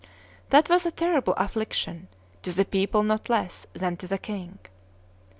That was a terrible affliction, to the people not less than to the king.